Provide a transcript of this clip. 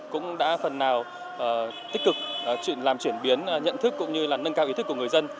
cũng đã phần nào tích cực làm chuyển biến nhận thức cũng như là nâng cao ý thức của người dân